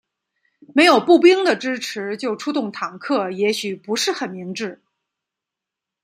没有步兵的支持就出动坦克也许不是很明智。